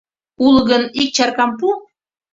Уло гын, ик чаркам пу.